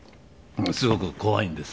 すごく怖いんです。